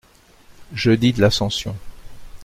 Jeudi de l’Ascension.